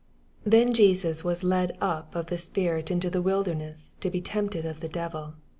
1 Then Jesns was led np of the Bpirit into the wilderness to be tempted of the devil.